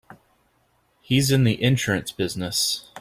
He's in the insurance business.